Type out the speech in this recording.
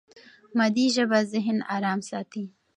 مادي ژبه ذهن ارام ساتي.